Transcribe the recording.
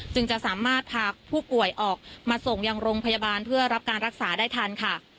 จะสามารถพาผู้ป่วยออกมาส่งยังโรงพยาบาลเพื่อรับการรักษาได้ทันค่ะ